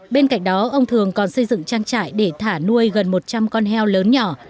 bên cạnh đó ông thường còn xây dựng trang trại để thả nuôi gần một trăm linh con heo lớn nhỏ